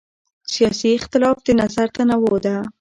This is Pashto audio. سیاسي اختلاف د نظر تنوع ده